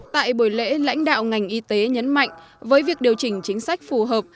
tại buổi lễ lãnh đạo ngành y tế nhấn mạnh với việc điều chỉnh chính sách phù hợp